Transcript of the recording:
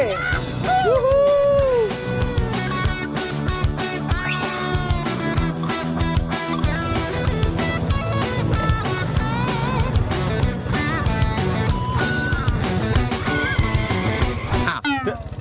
ถึงแล้วเหรอ